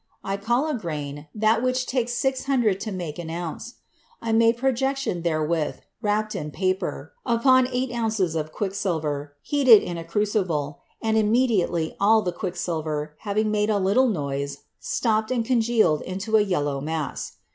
I call a grain that which takes six hundred to make an ounce. I made projection therewith, wrapped in paper, upon eight ounces of quicksilver, heated in a crucible, and immediately all the quicksilver, having made a little noise, stopped and congealed into a yel low mass.